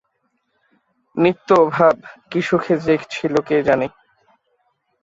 নিত্য অভাব, কী সুখে যে ছিল কে জানে।